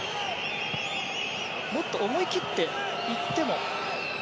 もっと思い切って行っても。